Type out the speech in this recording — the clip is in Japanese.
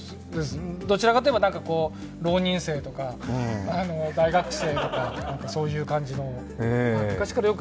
どちらかといえば、浪人生とか大学生とか、そういう感じの。